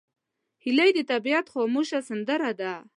هیلۍ د طبیعت خاموشه سندره ده